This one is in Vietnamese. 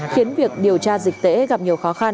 khiến việc điều tra dịch tễ gặp nhiều khó khăn